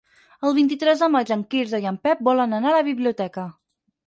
El vint-i-tres de maig en Quirze i en Pep volen anar a la biblioteca.